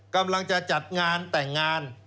กำลังจะจัดงานแต่งงาน